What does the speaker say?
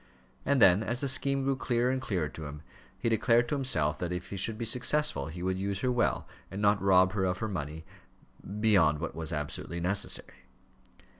And then as the scheme grew clearer and clearer to him, he declared to himself that if he should be successful, he would use her well, and not rob her of her money beyond what was absolutely necessary.